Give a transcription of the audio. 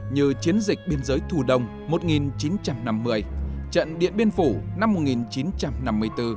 như chiến dịch biên giới thủ đông một nghìn chín trăm năm mươi trận điện biên phủ năm một nghìn chín trăm năm mươi bốn